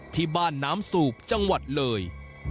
ที่บ้านน้ำสูบจังหวัดเลย